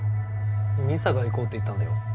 ミサが行こうって言ったんだよ。